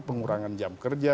pengurangan jam kerja